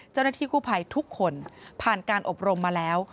เจ้าหน้าที่กู้ภัยทุกคนผ่านการอบรมมาแล้ว